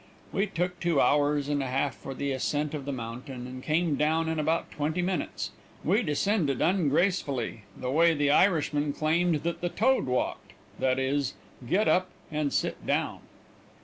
We took two hours and a half for the ascent of the mountain, and came down in about twenty minutes. We descended ungracefully the way the Irishman claimed that the toad walked, viz.: "git up and sit down."